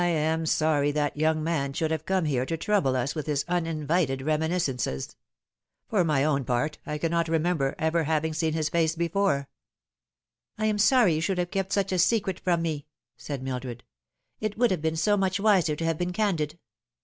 I am sorry that young man should have come here to trouble us with his uninvited reminiscences. For my own part, I cannot remember having ever seen his face before." " I am sorry you should have kept such a secret from me," said Mildred. " It would have been so much wiser to have been candid.